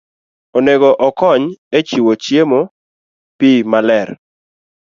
onego okony e chiwo chiemo, pi maler,